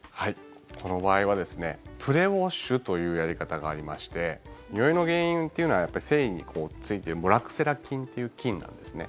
この場合はプレウォッシュというやり方がありましてにおいの原因というのは繊維についているモラクセラ菌という菌なんです。